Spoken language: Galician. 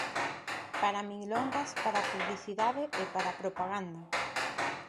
Para milongas, para publicidade e para propaganda.